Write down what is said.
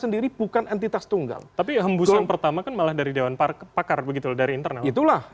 di dalam kekuatan